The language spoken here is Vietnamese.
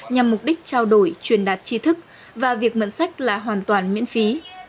nhằm mục đích trao đổi truyền đạt chi thức và việc mượn sách là hoàn toàn miễn phí